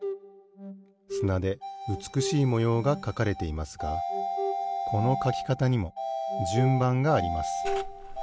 すなでうつくしいもようがかかれていますがこのかきかたにもじゅんばんがあります。